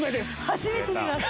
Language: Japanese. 初めて見ました